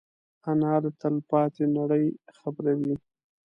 انا له تلپاتې نړۍ خبروي